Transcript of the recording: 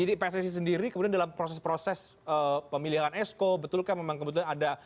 di pssi sendiri kemudian dalam proses proses pemilihan exco betul ke memang kebetulan ada